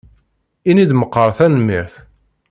Ini-d meqqar tanemmirt.